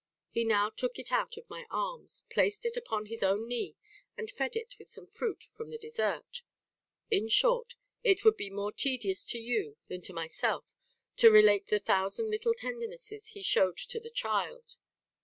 He now took it out of my arms, placed it upon his own knee, and fed it with some fruit from the dessert. In short, it would be more tedious to you than to myself to relate the thousand little tendernesses he shewed to the child.